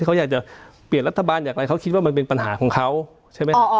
เขาอยากจะเปลี่ยนรัฐบาลอย่างไรเขาคิดว่ามันเป็นปัญหาของเขาใช่ไหม